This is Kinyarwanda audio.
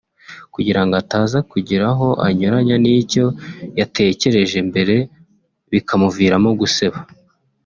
kugirango ataza kugira aho anyuranya n’icyo yatekereje mbere bikamuviramo guseba